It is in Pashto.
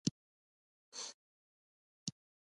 د میرمنو کار او تعلیم مهم دی ځکه چې کورنۍ خوارۍ مخه نیسي.